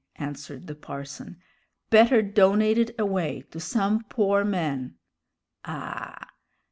answered the parson; "better donate it away to some poor man " "Ah!